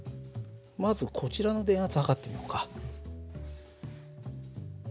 まずこちらの電圧測ってみようか。